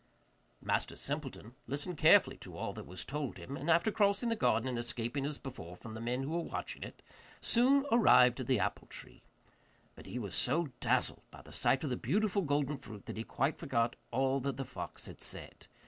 Master Simpleton listened carefully to all that was told him, and after crossing the garden, and escaping as before from the men who were watching it, soon arrived at the apple tree. But he was so dazzled by the sight of the beautiful golden fruit, that he quite forgot all that the fox had said.